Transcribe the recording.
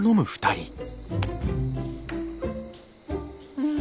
うん。